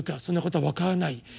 そんなことは分からない。